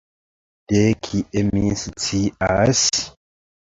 De kie mi scias?